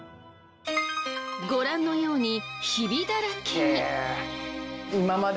ご覧のようにヒビだらけに。